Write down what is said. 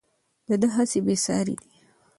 د ده هڅې بې ساري دي.